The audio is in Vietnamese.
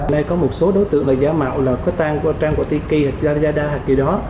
và một số đối tượng là giá mạo là có tăng của tp hcm yadda gì đó